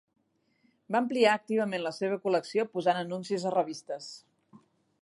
Va ampliar activament la seva col·lecció posant anuncis a revistes.